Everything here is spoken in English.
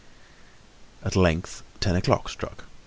At length ten o'clock struck.